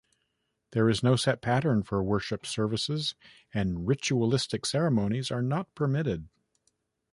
There is no set pattern for worship services, and ritualistic ceremonies are not permitted.